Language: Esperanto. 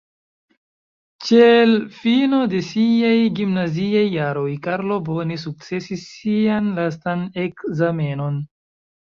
Ĉe l' fino de siaj gimnaziaj jaroj, Karlo bone sukcesis sian lastan ekzamenon.